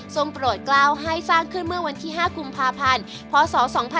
โปรดกล้าวให้สร้างขึ้นเมื่อวันที่๕กุมภาพันธ์พศ๒๕๖๒